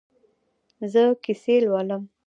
زه کیسې لولم